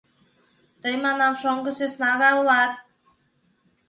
Тый, манам, шоҥго сӧсна гай улат.